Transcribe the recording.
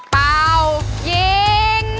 เป่ายิง